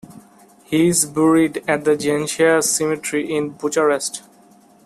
He is buried at the Ghencea cemetery, in Bucharest.